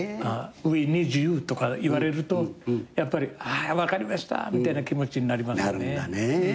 「Ｗｅｎｅｅｄｙｏｕ」とか言われるとやっぱり分かりましたみたいな気持ちになりますね。